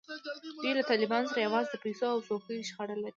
دوی له طالبانو سره یوازې د پیسو او څوکیو شخړه لري.